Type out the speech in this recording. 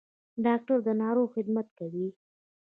ډاکټر د ناروغ خدمت کوي